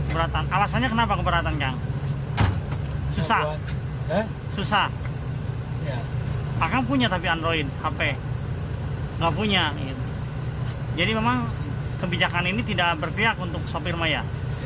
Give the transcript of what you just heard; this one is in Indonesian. pertamina memiliki android tapi tidak memiliki jadi memang kebijakan ini tidak berpihak untuk sopir maya